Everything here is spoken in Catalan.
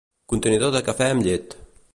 Contenidor de cafè amb llet.